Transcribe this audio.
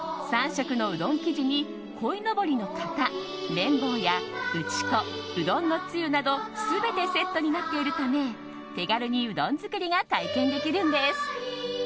３色のうどん生地にこいのぼりの型麺棒や打ち粉、うどんのつゆなど全てセットになっているため手軽にうどん作りが体験できるんです。